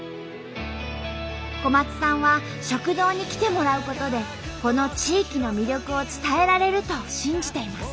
小松さんは食堂に来てもらうことでこの地域の魅力を伝えられると信じています。